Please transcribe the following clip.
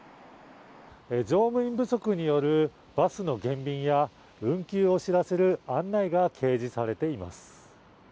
乗務員不足によるバスの減便や、運休を知らせる案内が掲示されています。